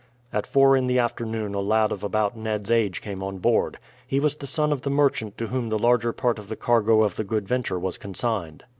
At four in the afternoon a lad of about Ned's age came on board. He was the son of the merchant to whom the larger part of the cargo of the Good Venture was consigned.